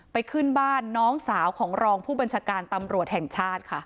ขึ้นบ้านน้องสาวของรองผู้บัญชาการตำรวจแห่งชาติค่ะ